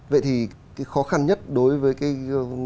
vậy thì cái khó khăn nhất đối với cái